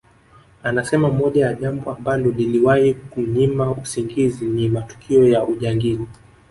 Anasema moja ya jambo ambalo liliwahi kumnyima usingizi ni matukio ya ujangili